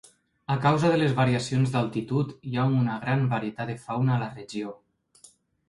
A causa de les variacions d'altitud, hi ha una gran varietat de fauna a la regió.